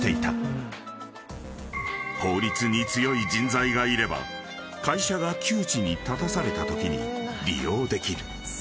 ［法律に強い人材がいれば会社が窮地に立たされたときに利用できる］